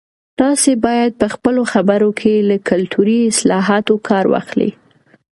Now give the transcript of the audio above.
تاسي باید په خپلو خبرو کې له کلتوري اصطلاحاتو کار واخلئ.